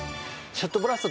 ショットブラスト！